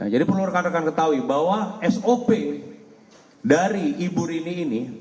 jadi perlu rekan rekan ketahui bahwa sop dari ibu rini ini